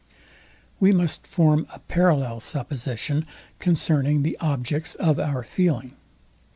We must form a parallel supposition concerning the objects of our feeling.